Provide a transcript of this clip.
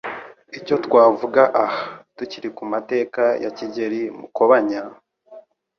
Icyo twavuga aha, tukiri ku mateka ya Kigeli Mukobanya,